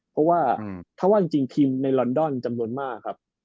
เพราะว่าถ้าว่าจริงทีมในลอนดอนจำนวนมากครับ